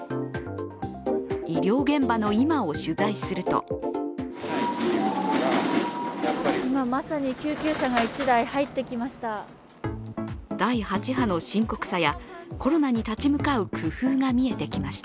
医療現場の今を取材するとまさに救急車が１台入ってきました。